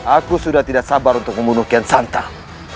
aku sudah tidak sabar untuk membunuh kian santa